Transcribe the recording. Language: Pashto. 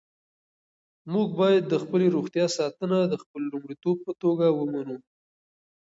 موږ باید د خپلې روغتیا ساتنه د خپل لومړیتوب په توګه ومنو.